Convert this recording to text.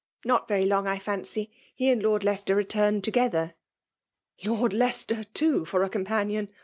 "Not very long, I fancy. He and Lord Leicester return together." '' Lord Leicester/ too, for a companion